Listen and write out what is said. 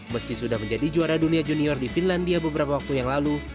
meski sudah menjadi juara dunia junior di finlandia beberapa waktu yang lalu